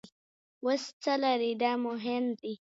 اوس څه لرئ دا مهم دي.